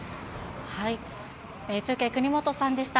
中継、国本さんでした。